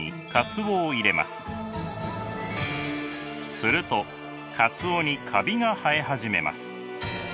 するとかつおにカビが生え始めます。